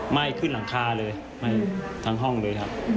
ไหม้ขึ้นหลังคาเลยไหม้ทั้งห้องเลยครับ